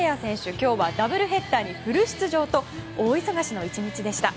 今日はダブルヘッダーにフル出場と大忙しの１日でした。